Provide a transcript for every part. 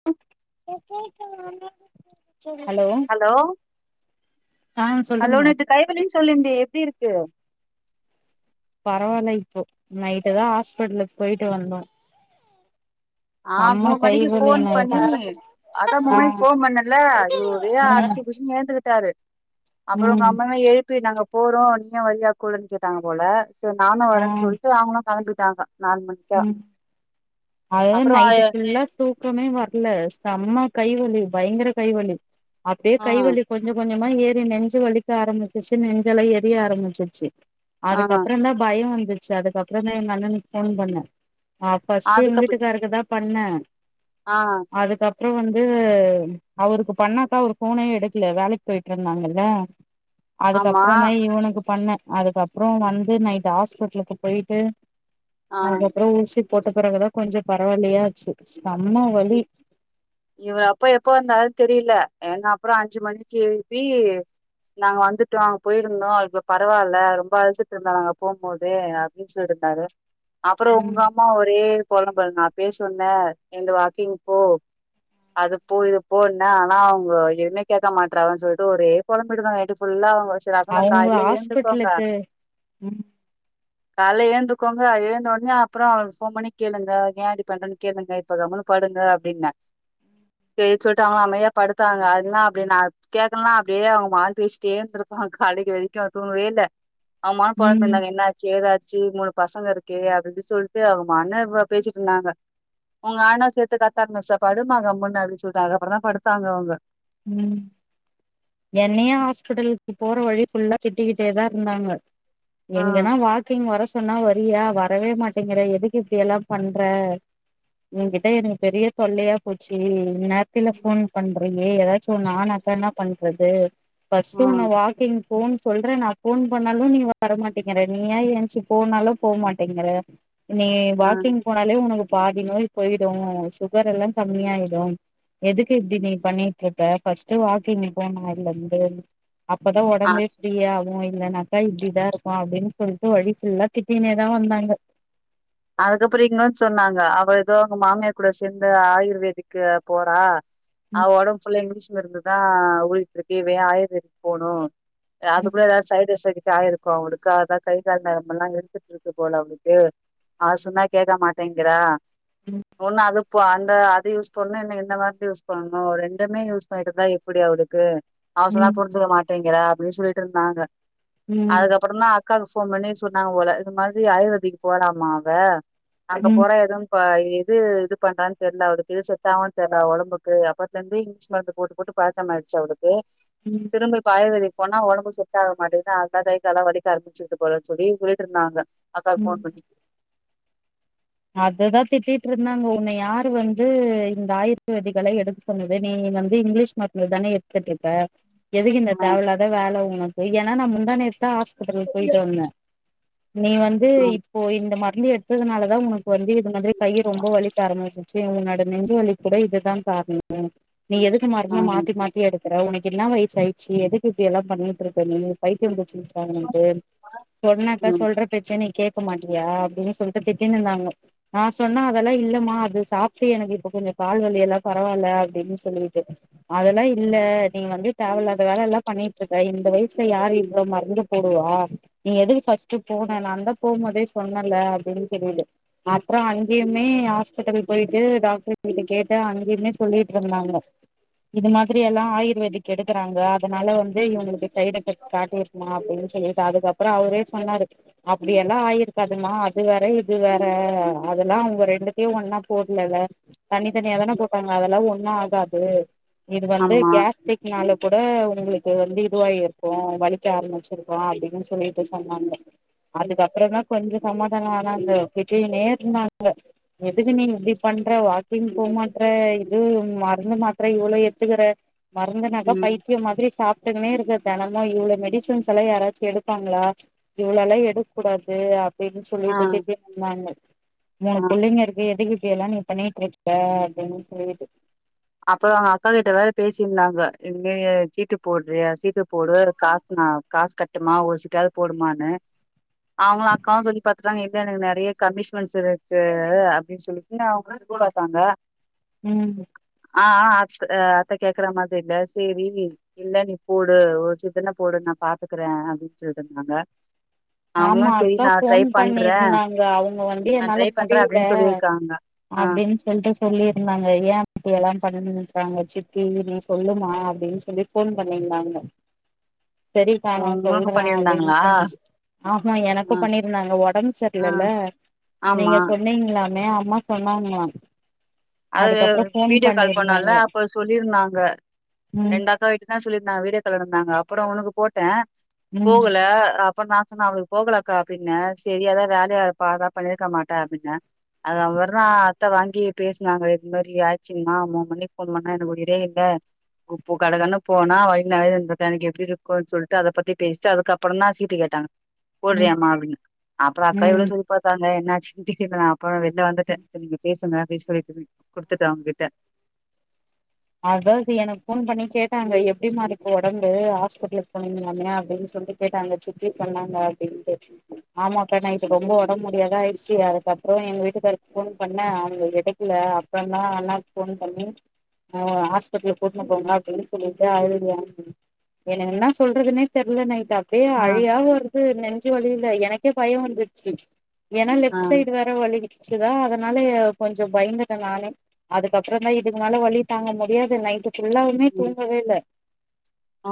[inaudible] hello ஆ hello சொல்லுங்க நேத்து கை வலின் சொல்லிந்தீயே எப்டி இருக்கு பரவால்ல இப்போ நைட்டு தா ஆஸ்பிட்டலுக்கு போய்ட்டு வந்தோ ஆ செம்ம மூண் கை மணிக்கு வலி ஃபோன் நைட்டு பண்ணி அதா மூண் ஆ மணிக்கு ஃபோன் பண்ணல அய்யோ ஒரே ஆச்சு ஏந்துகிட்டாரு ம் அப்புறம் ம் நாம்ம எழுப்பி நாங்க போறோம் நீயு வரியா கூடன்னு கேட்டாங்க போல சேர் நானும் ஆ வரேன்னு சொல்ட்டு அவுங்களும் கெளம்பிட்டாங்க நாலு மணிக் ம் அது நைட்டு ஆ ஃபுல்லா தூ க்கமே வர்ல செம்ம கைவலி பயங்கர கைவலி அப்டியே கைவலி கொஞ்ச கொஞ்சமா ஏறி நெஞ்சு வலிக்க ஆரம்பிச்சிருச்சு நெஞ்சல்லா எறிய ஆரம்பிச்சிருச்சு ஆ அதுக்கப்றோ தா பயோ வந்துருச்சு அதுக்கப்றோ தா எங்கண்ணனுக்கு ஃபோன் பண்ணே ஆ ஃபஸ்ட் எங்க அதுக்கப்பு வீட்டுக்காரருக்குதான் பண்ண ஆ அதுக்கப்பறோ வந்து அவுருக்கு பண்ணாக்கா ஒரு போனையும் எடுக்கல வேலைக்கு போய்ட்டு இருந்தாங்கல்ல ஆமா அதுக்கப்பறோம் தான் இவனுக்கு பண்ண அதுக்கப்பறோம் வந்து நைட் ஹாஸ்பிட்டலுக்கு போய்ட்டு ஆ அதுக்கப்பறோம் ஊசி போட்டு பிறகுதான் கொஞ்சோ பரவாயில்லாயாச்சி சம்ம வலி இவ அப்பா எப்ப வந்தாரு தெரில ஏன்னா அப்பறோ அஞ்சு மணிக்கு எழுப்பி நாங்க வந்துட்டோம் அங்க போய்ருந்தோம் இப்ப பரவாயில்ல ரொம்ப அழுத்திட்டு இருந்தா நாங்க போம்போது அ பீச்ல இருக்காரு அப்பறோ ம் உங்க அம்மா ஒரே பொலம்பல் நா அப்பயே சொன்ன எழுந்து வாக்கிங் போ அது போ இது போன்னா ஆனா அவுங்க எதுமே கேக்க மாட்றாங்கனு சொல்ட்டு ஒரே பொழம்பிட்டுதா நைட் ஃபுல்லா அவுங்க வச் நா சொன்ன அவங்க காலைல எழுந்துக்கோங்க ஹாஸ்பிட்டலுக்கு ம் கால்ல ஏந்துக்கோங்க எழுந்த உடனே அப்றோ அவள்க்கு ஃபோன் பண்ணி கேளுங்க ஏ இப்டி பண்றனு கேளுங்க இப்ப கம்முனு படுங்க அப்டின்ன சேர் சொல்ட்டாங்க அமைதியா படுத்தாங்க அதெல்லா அப்டி நா கேக்லனா அப்டே அவுங்க மாட் பேஸ் பேசிட் டேர்ந்திருப்போ காலைக்கு வரைக்கு தூங்கவே இல்ல அவும்மாட் ம் பொழம்பிருந்தாங்க என்ன சேதாச்சு மூணு பசங்க இருக்கே அப்டிஇப்டி சொல்ட்டு அவுங்கமான்னு பேசிட்டு இருந்தாங்க உங்காண்ணா சேத்து கத்தா ஆரம்பிச்சிட்டாரு படுமா கமுன்னு அப்டிச்சொல்டாங்க அதுக்கப்பறோ தா படுத்தாங்க அவுங்க ம் என்னையே ஹாஸ்பிட்டல்க்கு போற வழி ஃபுல்லா திட்டிக்கிட்டே தா இருந்தாங்க ஆ எங்கன்னா வாக்கிங் வர சொன்னா வரியா வரவே மாட்டேங்கற எதுக்கு இப்டியெல்லா பண்ற உங்கிட்ட எனக்கு பெரிய தொல்லையா போச்சி இன்நேரத்தில ஃபோன் பண்றீங்களே ஏதாச்சு ஒன்று ஆனாக்க என்னா பண்றது ஆ ஃபஸ்ட்டு உன்ன வாக்கிங் போன் சொல்ற நா ஃபோன் பண்ணாலும் நீ வரமாட்டேக்குற நீயே ஏய்ஞ்ச்சு போனாலு போமாட்டேங்க்குற நீ ஆ வாக்கிங் போனாலே உனக்கு பாதி நோய் போய்டு சுகர் எல்லா கம்மியாய்டும் எதுக்கு இப்டி நீ பண்ணிட்ருக்கே ஃபஸ்ட் வாக்கிங் போன அதுலருந்து அப்பதா ஆ உடம்பே அப்டியாகும் இல்லனாக்கா இப்டிதாருக்கு அப்டின்னு சொல்லிட்டு வழி ஃபுல்லா திட்டினேதா வந்தாங்க அதுக்கப்றோ இன்னோன்னு சொன்னாங்க அவள்க்கு அவுங்க மாமியார் கூட சேர்ந்து ஆயுர்வேதிக்கு போறா அவ ஒடம்ஃபுல்லா இங்க்லீஷ் மருந்துதா ஊறிட்ருக்கு இவயே ஆயுர் வேதிக்குபோணு ம் அதுக்குள்ள ஏதாச் சைடு எஃபெக்ட்டா ஆய்ருக்கு அவங்களுக்கு அதா கை கால் நரம்பெல்லா இழுத்துட்ருக்கு போல அவுங்களுக்கு அவ சொன்னா கேக்க மாட்டேங்கிறா ஒன்னு அது இப்போ அந்த அது யூஸ் பண்ணு இல்ல இந்த மருந்து யூஸ் பண்ணு ரெண்டுமே யூஸ் பண்ணிட்டு இருந்தா எப்டி அவளுக்கு அவ சொன்னா ம் புரிஞ்சுக்ற மாட்டேங்கிறா அப்டின்னு சொல்ட்டு இருந்தாங்க ம் ம் அதுக்கப்றோந்தா அக்காகு ஃபோன் பண்ணி சொன்னாங்க போல இது மாதிரி ஆயுர்வேதிக்கு போறாமா அவ அங்க ம் போற எதுவு இப்ப எது இது பண்றானு தெர்ல அவளுக்கு சொட்டாகு தெர்ல அவ ஒடம்புக்கு அப்பத்லருந்து இ ங்லீஷ் மருந்து போட்டு போட்டு பழக்கமாயிடுச்சு அவளுக்கு ம் திரும்ப இப்ப ஆயுர்வேதிக்கு போனா ஒடம்பு செட் ஆக மாட்டேங்துன்ன அதா கை கால்லா வலிக்க ஆரம்பச்சுருக்கு போலனு சொல்லி சொல்லிட்ருந்தாங்க அக்காக்கு ம் ஃபோன் பண்ணி அததா திட்டிட்ருந்தாங்க உன்ன யாரு வந்து இந்த ஆயுர்வேதிகள்ளா எடுக்க சொன்னது நீ வந்து இங்க்லீஷ் மருந்துதானே எடுத்துட்ருக்க எதுக்கு இந்த ம் தேவல்லாத வேல உனக்கு ஏன்னா நா முந்தா நேத்துதா ஆஸ் பிடல்க்கு போயிட்டு வந்தே நீ வந்து இப்போ இந்த மருந்து எடுத்ததுனாலதா உனக் வந்து இது மாரி கையு ரொம்போ வலிக்க ஆரம்பிச்சிருச்சு உன்னோட நெஞ்சு வலிக்கு கூட இதுதா காரணோ நீ எதுக்கு மருந்த ம் மாத்தி மாத்தி எடு புற உனக்கு என்னா வயசாயிச்சி எதுக்கு இப்டி எல்லா பண்ணிட்டு இருக்க நீ பைத்தியோ புடிச்சிகிச் கு வாங்குனன்ட்டு சொன்னாக்க ம் சொல்ற பேச்ச நீ கேக்க மாட்டியா அப்டின்னு சொல்ட்டு திட்டினு இருந்தாங்க நா சொன்னே அதெல்லா இல்லம்மா அது சாப்ட்டு எனக்கு இப்ப கொஞ்சோ கால்வலி எல்லா பரவால்ல அப்டின்னு சொல்லிட்டு அதெல்லா இல்ல நீங்க வந்து தேவல்லாத வேலல்லா பண்ணிட்ருக்க இந்த வயசுல யாரு இவ்ளோ மருந்து போடுவா நீ எதுக்கு ஃபஸ்ட்டு போன நா தா போ மோதே சொன்னேல்ல [unintelligible] அப்றோ அங்கேயுமே ஹாஸ்பிட்டல் போயிட்டு டாக்டர் கிட்ட கேட்டே அங்கேயுமே சொல்லிட்ருந்தாங்க இது மாதிரி எல்லா ஆயுர்வேதிக் எடுக்கறாங்க அதுனால வந்து இவங்களுக்கு சைட் எஃபெக்ட் காட்டிருக் மா அப்டின்னு சொல்லிட்டு அதுக்கப்றோ அவரே சொன்னாரு அப்டியெல்லா ஆயிருக்காதும்மா அது வேற இது வே ற அதெல்லா அவங்க ரெண்டுத்தையு ஒண்ணா போட்லேல தனி தனியாத்தானே ம் போட்டா அதெல்லா ஒண்ணு ஆகாது இது வந்து ஆமா கேஸ்ட்ரிக் னால கூட உங்களுக்கு வந்து இதுவாயிருக்கு வலிக்க ஆரம்பிச்சிருக்கு அப்டின்னு சொல்லிட்டு சொன்னாங்க அதுக்கப்புறந்தா கொஞ்சொ சமாதானோ ஆனாங்க திட்டிக்கின்னே இருந்தாங்க எதுக்கு நீ இப்டி பண்ற வாக்கிங் போக மாட்ற இது மருந்து மாத்தர இவ்ளோ எத்துக்குற மருந்துனாக்கா ம் பைத்தியோ மாதிரி சாப் கேட்டுக்குனே இருக்கு தெனமு இவ்ளோ மெடிசன்ஸ் எல்லா யாராச்சு எடுப்பாங்களா இவ்ளோ எல்லா எடுக்கூடாது அ அப்டின்னு ஆ சொல்லிட்டு திட்டீட்ருந்தாங்க மூணு ஆ புள்ளைங்க இருக்கு எதுக்கு இப்டியெல்லா நீ பண்ணிட்டு இருக்க அப்டின்னு சொல்லிட்டு அப்புறோ அவங்க அக்கா கிட்ட வேற பேசியிருந்தாங்க இங்கேயே சீட்டு போட்றியா சீட்டு போடு காசு நா காசு கட்டுமா ஒரு சீட்டாவ்து போடுமான்னு அவங்களு அக்காவு சொல்லி பாத்துட்டாங்க இல்ல எனக்கு நெறைய கமிகஸ்ட்மெண்ட்ஸ் இருக்கு அப்டின்னு சொல்லி என்ன அவங்களா கூலா இருக்காங்க ம் ஆ ஆ அத் ஆ அத்த கேக்கற மாதிரி இல்ல சேரி இல்ல நீ போடு ஒரு சீட்டுனா போடு நா பாத்துக்கறே அப்டின்னு சொல்லிட்டிருந்தாங்க ஆமா அப்பா ஃபோன் பண்றே பண்ணிருந்தாங்க அவங்க வந்து நா என்னால ட்ரை பண்றே முடில அப்டின்னு சொல்லியிருக்காங்க ஆ அப்டின் என்ட்ட சொல்லியிருந்தாங்க ஏ இப்டி எல்லா பண்ணனு இருக்காங்க சித்தி நீ சொல்லுமா அப்டின்னு சொல்லி ஃபோன் பண்ணி இருந்தாங்க ஓ உங்களுக்கு பண்ணி அப்டின்னு இருந்தாங்களா சொன்னே ஆமா எனக்கு பண்ணியிருந்தாங்க ஒடம்பு ஆ சரில்லல்ல ஆமா நீங்க சொன்னீங்களாமே அம்மா சொன்னாங்களா அது அதுக்கப்புறோ ஃபோன் வீடியோ கால் பண்ணோல பண்ணிருந்தாங்க அப்போ சொல்லி இருந்தாங்க ம் ரெண்டக்கா இதுதா சொல்லி இருந்தாங்க வீடியோ கால்ல இருந்தாங்க அப்புறோ உனக்கு போட்டே ம் போகல அப்புறோ நா சொன்னே அவளுக் போகலக்கா அப்டின்னே செரி எதா வேலையா இருப்பா அதா பண்ணியிருக்க மாட்டா அப்டின்னே அது அவ்ளோதா அத்த வாங்கி பேச் நாங்க இது மாரி ஆய்ச்சுன்னா மூணு மணிக்கு ஃபோன் பண்ணா எனக்கு உயிரே இல்ல உப்பு கடகன்னு போனா வலி நெறைய இருந்தது எனக்கு எப்டி இருக்குனு சொல்ட்டு அத பத்தி பேச்ட்டு அதுக்கப்புறந்தா சீட்டு கேட்டாங்க ம் போட்றியாம்மா அப்டின்னு அப்புறோ அக்கா ம் எவ்வளோ சொல்லி பாத்தாங்க என்னாச்சுன் தெரியல நா அப்புறோ வெளில வந்துட்டே இப்ப நீங்க பேசுங்க [unintelligible] சொல்லிட்டு குடுத்துட்டே அவங்ககிட்ட அதா இப்போ எனக்கு ஃபோன் பண்ணி கேட்டாங்க எப்டிமா இருக்கு ஒடம்பு ஹாஸ்பிடலுக்கு போனீங்களாமே அப்டின்னு சொல்ட்டு கேட்டாங்க சித்தி சொன்னாங்க அப்படின்ட்டு கே ஆமா‌ கேட்டாங்க இப்போ ரொம்போ வொடம் முடியாதா ஆயிடுச்சி அதுக்கப்புறம் எங்க வீட்டுக்காருக்கு ஃபோன் பண்ணே அவங்க எடுக்கல அப்புறந்தா அண்ணாக்கு ஃபோன் பண்ணி ஹ ஹாஸ்பெட்லுக் கூட்னு போங்க அப்டின்னு சொல்லிட்டு அழுத எனக்கு என்னா சொல்றதுனே தெர்ல நைட்டு அப்டியே ஆ அழையா வருது நெஞ்சு வலியில எனக்கே பயோ வந்துருச்சி ஏனனா ஆ லெஃப்ட் சைடு வேற வலிச்சதா அதனால கொஞ்சம் பயந்துட்ட நானே அதுக்கப்புறந்தா இதுக்கு மேல வலி தாங்க முடியாது நைட்டு ஃபுல்லாவுமே ம் தூங்கவேல்ல ஆ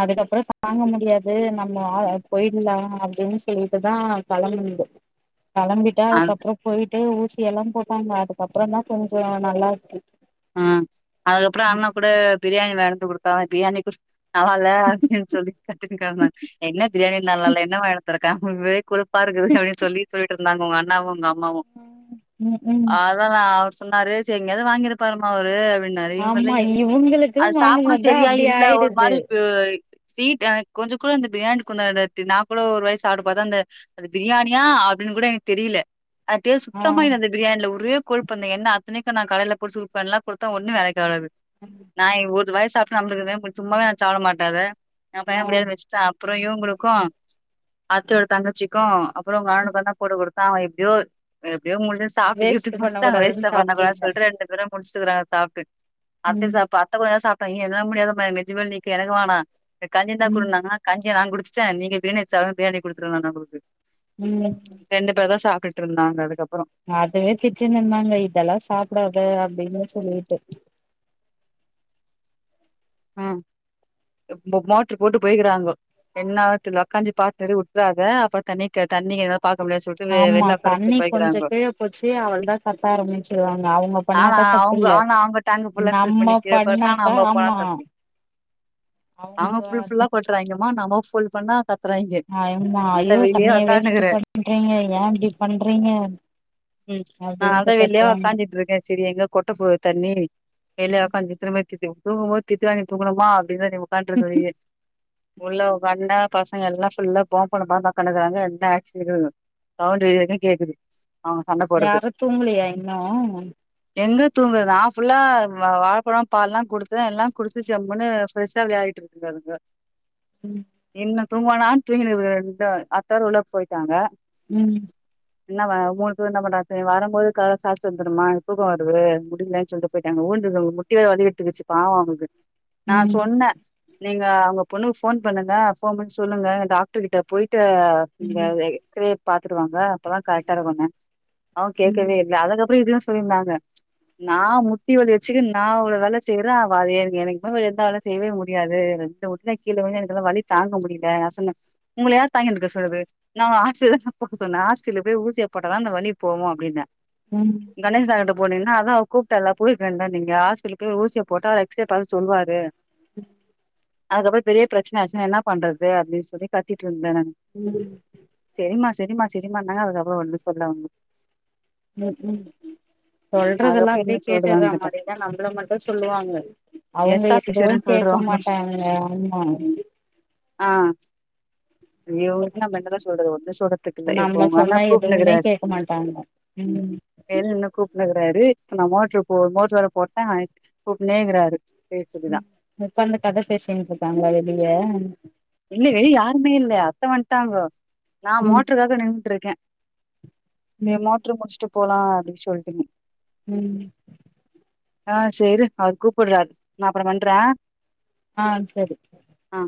அதுக்கப்றோ தாங்க முடியாது நம்ம போயிட்லா அப்டின்னு சொல்லிட்டுதா கெளம்புனது கெளம்பிட்டு அது அதுக்கப்புறம் போயிட்டு ஊசி எல்லா போட்டாங்க அதுக்கப்புறந்தா கொஞ்சோ நல்லா இருஞ்சு ஹா அதுக்கப்புறம் அண்ண கூட பிரியாணி வாங்கினு வந்து குடுத்தாங்க பிரியாணி குட் அவன்ல்ல அப்டின் சொல்லி கத்தினுக்கெடந்தா என்ன பிரியாணி நல்லால்ல என்ன வாங்கிட்டு வந்திருக் க ஒரே கொழுப்பா இருக்குது அப்டின் சொல்லிட் போயிருந்தாங்க உங்க அண்ணாவு உங்க அம்மாவு உக்கும் அததா அவரு சொன்னாரு சரி எங்யாவது வாங்கிருப்பாருமா அவரு அப்டின்னாரு இவங்கல்ல ஆமா எ இவுங்களுக்கு அது சாப்புடுள் வாங்கும்போதுதா சரியா அப்டி இல்ல ஒரு ஆயிடுது மாதிரி இருந்தா ஸ்வீட் அ கொஞ்சோ கூட அந்த பிரியாணிக்கு உண்டான நா கூட ஒரு வாய் சாப்ட்டு பாத்தே அந்த பிரியாணியா அப்டின்னு கூட எனக்கு தெரில அந்த டேஸ்ட் ஆ சுத்தமா இல்ல அந்த பிரியாணில ஒரே கொழுப்பு அந்த எண்ண அத்தனிக்கு நா காலையில போட் சூட் பண்ணல்லா குடுத்த ஒன்னு வேலைக்காவல அது ம் நாய் ஒரு வாய் சாப்ட்டு நம்ளுக் இதா சும்மாவே நா சாப்ட மாட்டே அத யென் பையன் ஆ பிரியாணி வச்சுட்டா ப்றோ இவ்ங்ளுக்கு அத்தையோட தங்கச்சிக்கு அப்புறோ உங்க அண்ணனுக்குந்தா போட்டு குடுத் தவுங்க எப்பனடியோ எப்டியோ முள்ள ம சாப்ட்டு வேஸ்ட் கீப்ட்டு பண்ண முடிச்டாங் கூடாதுன்னு வேஸ்ட் பண்ண கூடாது சாப்ட்டுருந்த சொல்லிட்டு ரெண்டு பேரு முடிச்டுக்கிறாங்க சாப்ட்டு அத்த ம் சாப்பா அத்த கொஞ்சோ சாப்ட்டாங்க யோ என்னால முடியாது என்க் நெஞ்சு மேல நிக்கு எனக்கு வாணா எனக்கு கஞ்சி இருந்தா ம் குடுன்னாங்க கஞ்சிய நா குடுச்சிட்டே நீங்க பிரியாணி தரபிரியாணி குடுத்துட நானு அவுங்ளுக்கு ம் ரெண்டு பேர் தா சாப்டுட்டு இருந்தாங்க அதுக்கப்பறோ அதவே திட்டினுந்தாங்க இதெல்லா சாப்புடாத அப்டின்னு சொல்லிட்டு ஹ இப்போ மோட்டரு போட்டு போய்கிறாங்கோ என்னாவு தெர்ல வொக்காஞ்சி பாத்துனுரு வுட்றாத அப்பறஃ தண்ணிக்கு தண்ணிகெதா ஆமா தண்ணி கொஞ்ச கீழே போச்சு அவள்தா கத்த ஆரம்பிச்சிருவாங்க அவுங்க ஆனா அவுங்க ஆனா அவங்க டேங்குபுல்லா பிள் நம்ம பண்ணிட்டாச்சுனா பண்ணாக்கா நம்ப போலா ஆமா [unintelligible] அவங்க புல் புல்லா கொட்டுறாய்ங்கம்மா நமோ புல் பண்ணா கத்துறாய்ங்க ஆம்மா நான்தா அய்யோ வெளியே தண்ணிய வேஸ்ட் ஒக்கானுக்குறே பண்றீங்க ஏன் இப்டி பண்றீங்க உம் நாள்த அப்டின்ட்டு வெளியோ கத்துவாங்க உக்காந்துட்ருக்கே செரி எங்க கொட்ட போது தண்ணி வெளிய வொக்காந்துட்டு திரும்ப சித்தி தூங்கும் போது திட்டு வாங்கிட்டு தூங்கணுமா அப்டின் தா பண்ணரது வழிய உள்ள வொக்கான்னு பசங்க எல்லா புல்லா பொம் பாத் வொக்கான்னு கிறாங்க எந்த ஆக்ஷனு சவுண்ட் இது வெரிலு கேக்குது அவங்க சண்டை போட்றது யாரு தூங்கலையா இன்னு எங்க தூங்குரது நா ஃபுல்லா வாழைப்பழோ பால்லா குடுத்தே எல்லா குடிச்சுட்டு ஜம்ன்னு ஃப்ரெஷ்ஷா விளையாடிட்டு இருக்குதுகோ அதுங்கோ ம் இன்னு தூங்குவானா தூங்கின ரெண்டு அத்தானு உள்ள போயிட்டாங்க ம் என்னவா மூனு பேரு என்ன பண்றா வரும்போது கதவ சாத்திட்டு வந்துருமா எனக்கு தூக்க வருது முடியலன் சொல்லிட்டு போயிட்டாங்க ஊ [unintelligible] வடிகட்டிக்கிச்சு பாவ அவங்களுக்கு நா ம் சொன்னே நீங்க அவங்க பொண்ணுக்கு போன் பண்ணுங்க போன் பண்ண சொல்லுங்க டாக்டர் கிட்ட போயிட்டு நீங்க ம் எக்ஸரே பாத்துட்டு வாங்க அப்பதா கரெக்டா இருக்குங்க அவ கேட்கவே ம் இல்ல அதுக்கப்பற இதையு சொல்லிருந்தாங்க நா முட்டி வலி வச்சுட்டு நா இவ்வள வேல செய்யறே அவ அத ஏ எனக்குமே எந்தால செய்யவே முடியாது இந்தந்த முட்டில கீழே கொஞ்ச எனக்குல்லா வழி தாங்க முடியல நா சொன்னே உங்கள யார் தாங்கிட்டுக்க சொல்லறது நா ஹாஸ்ப்பிட்டல தான போக சொன்னே ஹாஸ்ப்பிடல்ல போய் ஊசிய போட்டாதா இந்த வலி போகு அப்படினே ம் கணேஷா கிட்ட போனீங்கன்னா அத அவ கூப்ட்டலா போயிருக்க வேண்டியது தான நீங்க ஹாஸ்பிட்டல் போய் ஊசிய போட்டா ரை செ பார் சொல்வாரு ம் அதுக்கப்பற பெரிய பிரச்சனை ஆச்சுன்னா என்ன பண்றது அப்படின்னு சொல்லி கத்திட்டு இருந்தே னு ம் சரிமா சரிமா சரிமா னாங்க அதுக்கப்பர ஒன்னுமே சொல்லல ஒன்னு ம் சொல்றதெல்லா அதுக்கப்புறோ என்ன அப்டியே சொல்றது கேட்டுற அவங்கிட்ட மாரிதா நம்மள மட்டு சொல்லுவாங்க அவங்க எஸ் எப்பவு ஆபிசர்ன்னு கேக்க சொல்றாங்க மாட்டாங்க ஆமா ஆ ஐயோ நம்ம என்னதா சொல்றது ஒண்ணு சொல்றதுக்கு இல்ல இப்போ நம்ம ஒங்க அண்ணா சொன்னா எதுவுமே கூப்ட்ருகராரு கேக்க மாட்டாங்க ம் மேல இன்னு கூப்புட்னுக்குறாரு நா மோட்ரு போ மோட்ரு வர போட்ட கூப்னே இருக்காரு பேச்சுக்குதா உக்காந்து கத பேசிட்ருக்காங்க வெளிய இல்ல வெளிய யாருமே இல்ல அத்த வன்டாங்கொ நா ம் மோட்ருக்காக நின்ட்ருக்க சேரி ம் மோட்ரு முடிச்சுட்டு போலா அப்டின் சொல்ட நீ ம் ஆ சேரு அவர் கூப்புறாரு நா அப்ரொ பண்ற ஆ சேரி ஆ